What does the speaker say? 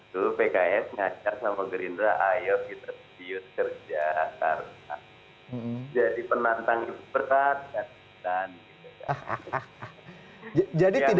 itu pks ngajar sama gerindra ayo kita triut kerja karena jadi penantang itu berkat dan kita tidak ada